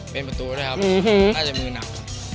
เป็นประตูด้วยครับน่าจะมือหนัก